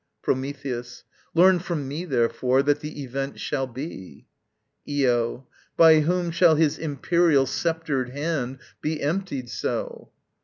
Prometheus. Learn from me, therefore, that the event shall be. Io. By whom shall his imperial sceptred hand Be emptied so?